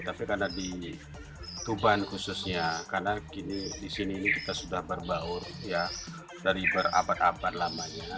tapi karena di tuban khususnya karena di sini ini kita sudah berbaur ya dari berabad abad lamanya